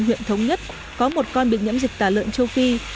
huyện thống nhất có một con bị nhiễm dịch tả lợn châu phi